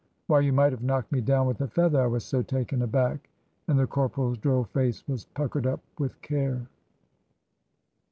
Why, you might have knocked me down with a feather, I was so taken aback;" and the corporal's droll face was puckered up with care.